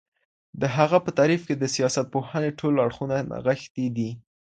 د هغه په تعريف کي د سياستپوهني ټول اړخونه نغښتي دي.